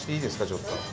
ちょっと。